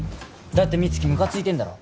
だって美月ムカついてんだろ？